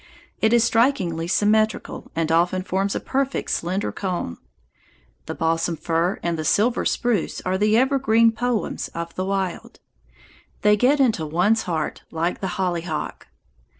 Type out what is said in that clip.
It is strikingly symmetrical and often forms a perfect slender cone. The balsam fir and the silver spruce are the evergreen poems of the wild. They get into one's heart like the hollyhock.